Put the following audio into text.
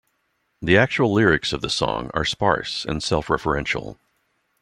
The actual lyrics of the song are sparse and self-referential.